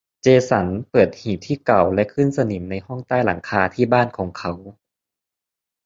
เจสันเปิดหีบที่เก่าและขึ้นสนิมในห้องใต้หลังคาที่บ้านของเขา